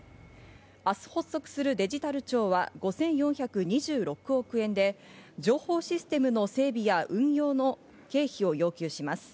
明日発足するデジタル庁は５４２６億円で情報システムの整備や運用の経費を要求します。